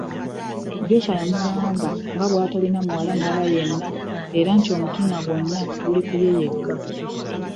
Joswa yamugamba nga bw'atalina muwala mulala yenna era nti omutima gwonna guli ku ye yekka.